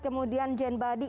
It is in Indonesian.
kemudian gen body